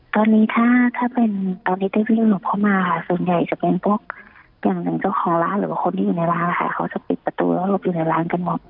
ตอนนี้ถ้าถ้าเป็นตอนนี้ได้วิ่งหลบเข้ามาค่ะส่วนใหญ่จะเป็นพวกอย่างหนึ่งเจ้าของร้านหรือว่าคนที่อยู่ในร้านนะคะเขาจะปิดประตูแล้วหลบอยู่ในร้านกันหมด